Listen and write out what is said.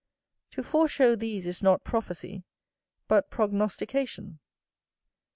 To foreshow these is not prophecy, but prognostication.